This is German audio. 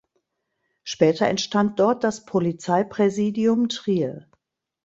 Später entstand dort das Polizeipräsidium Trier.